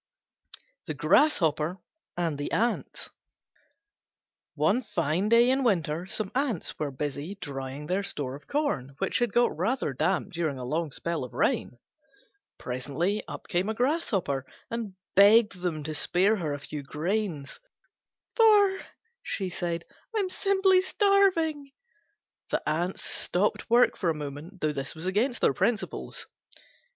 THE GRASSHOPPER AND THE ANTS One fine day in winter some Ants were busy drying their store of corn, which had got rather damp during a long spell of rain. Presently up came a Grasshopper and begged them to spare her a few grains, "For," she said, "I'm simply starving." The Ants stopped work for a moment, though this was against their principles.